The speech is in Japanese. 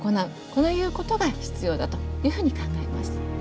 こういうことが必要だというふうに考えます。